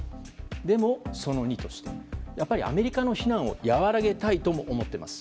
でも、その２としてやっぱりアメリカの非難を和らげたいとも思っています。